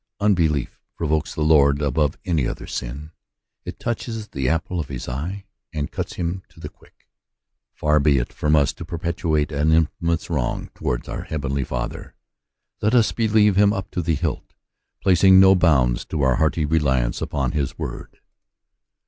Unbelief provokes the Lord above any other sin : it touches the apple of his eye, and cuts him to the quick. Far be it from us to perpetrate so infamous a wrong towards our heavenly Father; let us believe him up to the hilt, placing no bounds to our hearty reliance upon his word.